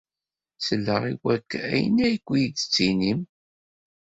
Selleɣ i wakk ayen ay d-tettinim.